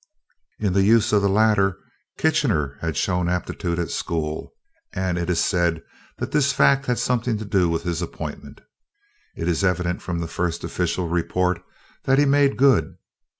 In the use of the latter, Kitchener had shown aptitude at school; and it is said that this fact had something to do with his appointment. It is evident from the first official report that he "made good."